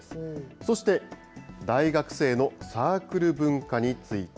そして大学生のサークル文化について。